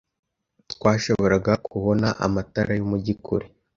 Twashoboraga kubona amatara yumujyi kure.